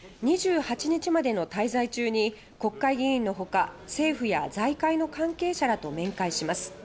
２８日までの滞在中に国会議員のほか政府や財界の関係者らと面会します。